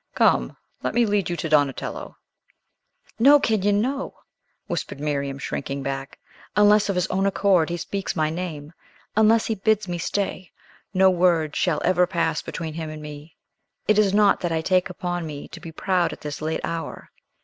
Come; let me lead you to Donatello." "No, Kenyon, no!" whispered Miriam, shrinking back; "unless of his own accord he speaks my name, unless he bids me stay, no word shall ever pass between him and me. It is not that I take upon me to be proud at this late hour.